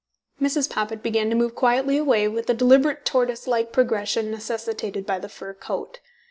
Mrs. Poppit began to move quietly away with the deliberate tortoise like progression necessitated by the fur coat.